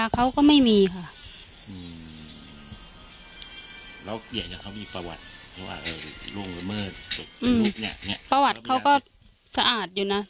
เขาก็ไม่มีค่ะ